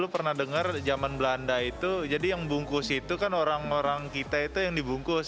lu pernah dengar zaman belanda itu jadi yang bungkus itu kan orang orang kita itu yang dibungkus